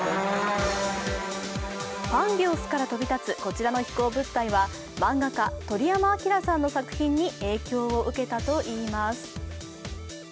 パンゲオスから飛び立つこちらの飛行物体は漫画家・鳥山明さんの作品に影響を受けたといいます。